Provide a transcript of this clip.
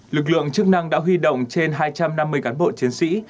lực lượng chức năng đã huy động trên hai trăm năm mươi cán bộ chiến sĩ